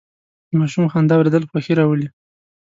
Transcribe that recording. د ماشوم خندا اورېدل خوښي راولي.